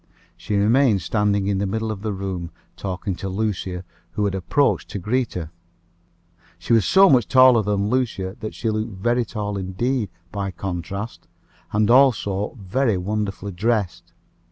She remained standing in the middle of the room, talking to Lucia, who had approached to greet her. She was so much taller than Lucia, that she looked very tall indeed by contrast, and also very wonderfully dressed.